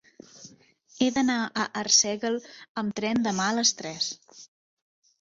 He d'anar a Arsèguel amb tren demà a les tres.